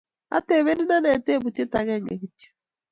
Atebenin ane tubutie agenge kityo